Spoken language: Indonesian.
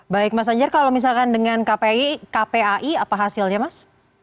baik mas anjar kalau misalkan dengan kpai apa hasilnya mas